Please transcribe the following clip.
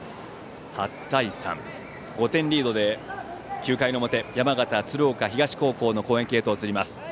８対３と、５点リードで９回の表山形・鶴岡東高校の攻撃へと移ります。